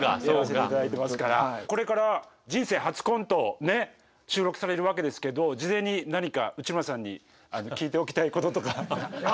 これから人生初コントを収録されるわけですけど事前に何か内村さんに聞いておきたいこととか。